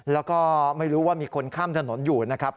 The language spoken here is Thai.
แล้วก็ไม่รู้ว่ามีคนข้ามถนนอยู่นะครับ